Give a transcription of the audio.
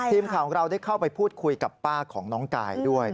ทีมข่าวของเราได้เข้าไปพูดคุยกับป้าของน้องกายด้วย